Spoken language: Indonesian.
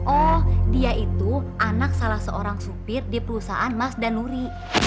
oh dia itu anak salah seorang supir di perusahaan mas danuri